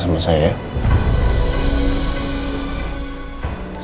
saya pasti akan menyelidiki itu